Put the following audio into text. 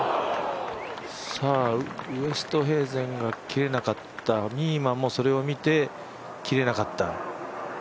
ウェストヘーゼンが切れなかったニーマンもそれを見て切れなかった。